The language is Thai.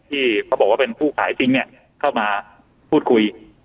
ที่เขาบอกว่าเป็นผู้ขายจริงเนี่ยเข้ามาพูดคุย